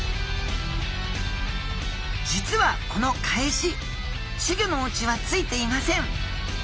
実はこの返し稚魚のうちはついていません。